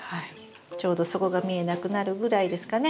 ちょうど底が見えなくなるぐらいですかね。